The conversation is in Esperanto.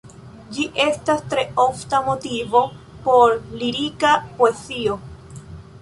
Ĝi estas tre ofta motivo por lirika poezio.